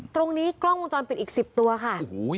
ตรงนี้กล้องวงจรปิดอีก๑๐ตัวค่ะ